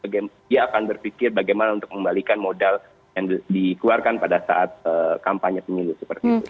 dia akan berpikir bagaimana untuk mengembalikan modal yang dikeluarkan pada saat kampanye pemilu seperti itu